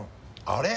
あれ？